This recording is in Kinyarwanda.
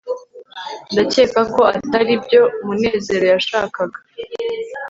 ndakeka ko atari byo munezero yashakaga